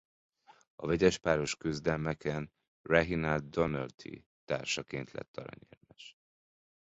A vegyes páros küzdelmeken Reginald Doherty társaként lett aranyérmes.